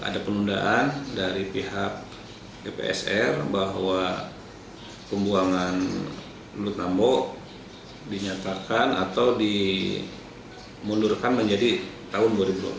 kebenaran dari pihak dpsr bahwa pembuangan lulut nambobogor dinyatakan atau dimundurkan menjadi tahun dua ribu dua puluh